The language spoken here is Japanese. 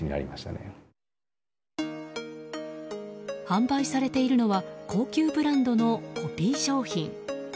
販売されているのは高級ブランドのコピー商品。